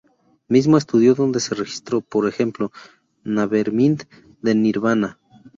Mismo estudio donde se registró, por ejemplo, Nevermind de Nirvana.